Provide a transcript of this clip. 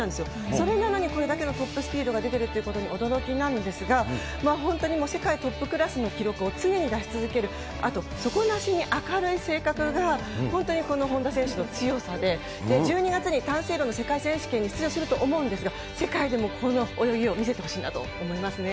それなのにこれだけのトップスピードが出てるっていうことに驚きなんですが、まあ本当に世界トップクラスの記録を常に出し続ける、あと、底なしに明るい性格が、本当にこの本多選手の強さで、１２月に短水路の世界選手権に出場すると思うんですが、世界でもこの泳ぎを見せてほしいなと思いますね。